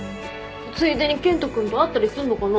ついでに健人君と会ったりすんのかな？